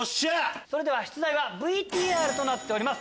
出題はＶＴＲとなっております。